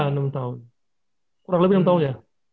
enam tahun kurang lebih enam tahun ya